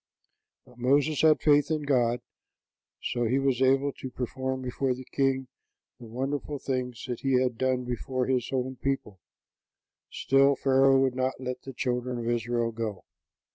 But Moses had faith in God; so he was able to perform before the king the wonderful things that he had done before his own people; still, Pharaoh would not let the children of Israel go.